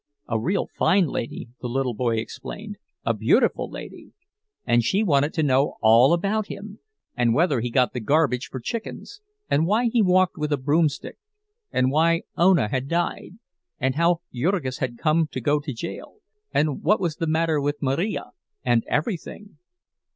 A real fine lady, the little boy explained, a beautiful lady; and she wanted to know all about him, and whether he got the garbage for chickens, and why he walked with a broomstick, and why Ona had died, and how Jurgis had come to go to jail, and what was the matter with Marija, and everything.